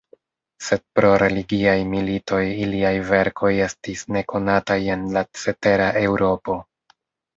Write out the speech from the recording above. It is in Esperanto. Sed pro religiaj militoj iliaj verkoj estis nekonataj en la cetera Eŭropo.